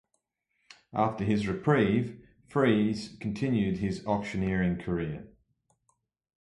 After his reprieve, Fries continued his auctioneering career.